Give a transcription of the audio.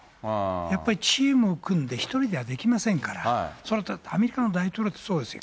やっぱりチームを組んで、１人ではできませんから、それはだって、アメリカの大統領だってそうですよ。